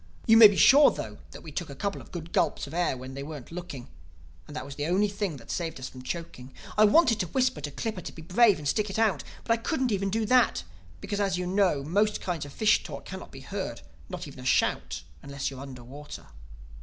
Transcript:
You may be sure though that we took a couple of good gulps of air while they weren't looking; and that was the only thing that saved us from choking. I wanted to whisper to Clippa to be brave and stick it out. But I couldn't even do that; because, as you know, most kinds of fish talk cannot be heard—not even a shout—unless you're under water.